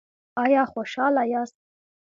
ایا خوشحاله یاست؟